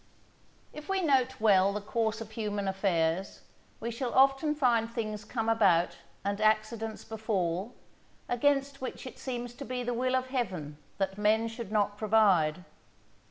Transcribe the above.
_ If we note well the course of human affairs, we shall often find things come about and accidents befall, against which it seems to be the will of Heaven that men should not provide.